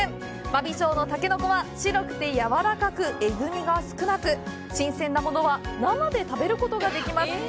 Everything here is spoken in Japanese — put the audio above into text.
真備町のたけのこは、白くて柔らかく、えぐみが少なく、新鮮なものは生で食べることができます。